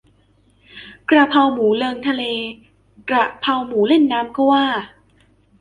กระเพราหมูเริงทะเล กระเพราหมูเล่นน้ำ ก็ว่า